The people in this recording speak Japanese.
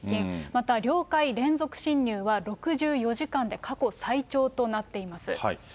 また領海連続侵入は６４時間で、過去最長となっています。